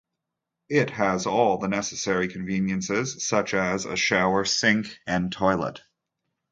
It has all the necessary conveniences, such as a shower, sink, and toilet.